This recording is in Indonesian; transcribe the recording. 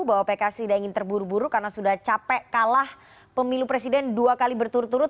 bahwa pks tidak ingin terburu buru karena sudah capek kalah pemilu presiden dua kali berturut turut